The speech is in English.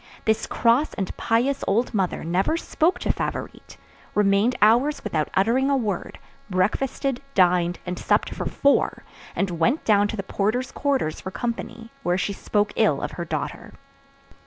This cross and pious old mother never spoke to Favourite, remained hours without uttering a word, breakfasted, dined, and supped for four, and went down to the porter's quarters for company, where she spoke ill of her daughter.